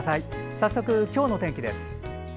早速、今日の天気です。